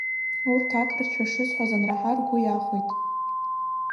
Урҭ ақырҭшәа шысҳәоз анраҳа, ргәы иахәеит.